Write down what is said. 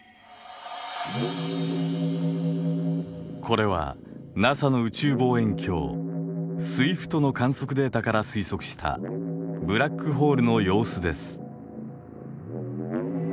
これはＮＡＳＡの宇宙望遠鏡スウィフトの観測データから推測したブラックホールの様子です。